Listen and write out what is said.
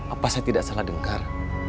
apa saya tidak salah dengar